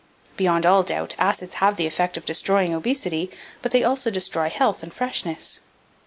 Beyond all doubt, acids have the effect of destroying obesity; but they also destroy health and freshness.